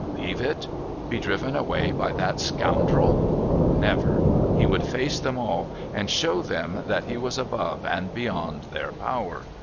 Leave it? Be driven away by that scoundrel? Never! He would face them all and show them that he was above and beyond their power.